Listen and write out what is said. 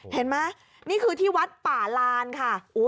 เห็นไหมนี่คือที่วัดป่าลานค่ะ